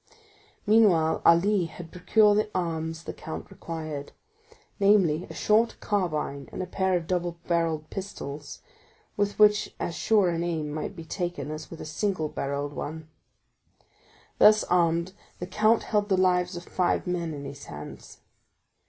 Meanwhile Ali had procured the arms the count required—namely, a short carbine and a pair of double barrelled pistols, with which as sure an aim might be taken as with a single barrelled one. Thus armed, the count held the lives of five men in his hands.